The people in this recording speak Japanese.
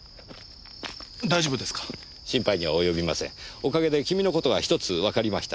おかげで君の事が１つわかりました。